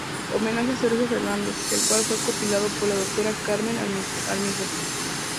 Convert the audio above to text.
Homenaje a Sergio Fernández", el cual fue compilado por la doctora Carmen Armijo.